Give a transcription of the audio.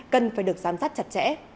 cần phải được giám sát chặt chẽ